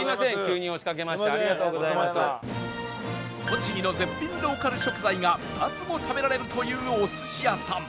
栃木の絶品ローカル食材が２つも食べられるというお寿司屋さん